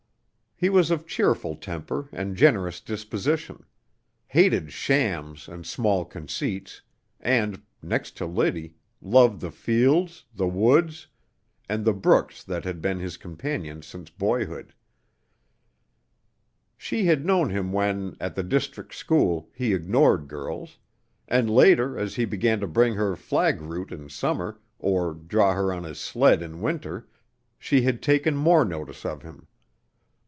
He was of cheerful temper and generous disposition; hated shams and small conceits, and next to Liddy loved the fields, the woods, and the brooks that had been his companions since boyhood. She had known him when, at the district school, he ignored girls; and later, as he began to bring her flag root in summer, or draw her on his sled in winter, she had taken more notice of him.